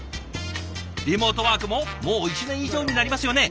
リモートワークももう１年以上になりますよね。